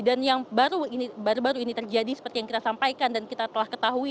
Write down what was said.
dan yang baru baru ini terjadi seperti yang kita sampaikan dan kita telah ketahui